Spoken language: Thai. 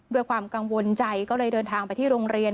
ด้วยความกังวลใจก็เลยเดินทางไปที่โรงเรียน